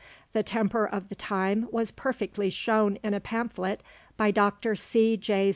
The temper of the time was perfectly shown in a pamphlet by Dr. C. J.